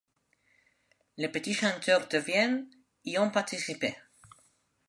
Les Petits Chanteurs de Vienne y ont participé.